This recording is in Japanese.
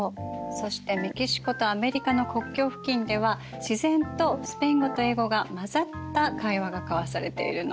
そしてメキシコとアメリカの国境付近では自然とスペイン語と英語が交ざった会話が交わされているの。